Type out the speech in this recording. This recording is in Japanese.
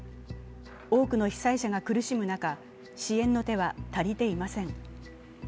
多くの被災者が苦しむ中、支援の手は足りていません。